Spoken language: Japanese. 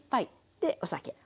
でお酒。